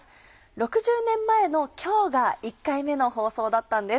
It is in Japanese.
６０年前の今日が１回目の放送だったんです。